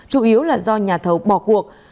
chủ yếu là do nhà thầu bỏ cuộc